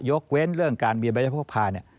ยกเว้นเรื่องการเบียนบัตรแบบเผาปลอบภายเนี่ย